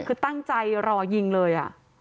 คือตั้งใจรอยิงเลย